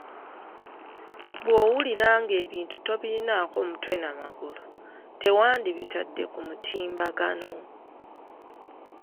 Bwowulira ng'ebintu tobirinako mutwe na magulu, tewandibitadde ku mutimbagano.